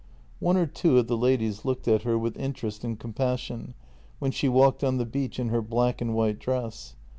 One or two of the ladies looked at her with interest and com passion when she walked on the beach in her black and white dress.